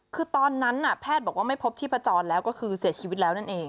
คือตอนนั้นแพทย์บอกว่าไม่พบชีพจรแล้วก็คือเสียชีวิตแล้วนั่นเอง